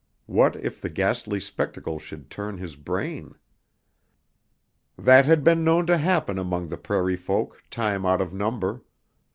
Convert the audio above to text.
What if the ghastly spectacle should turn his brain? That had been known to happen among the prairie folk time out of number.